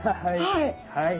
はい。